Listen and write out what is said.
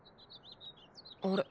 あれ？